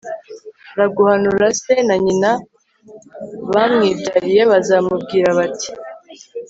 ra guhanura se na nyina bamwibyariye bazamubwira bati